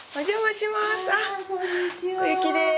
小雪です。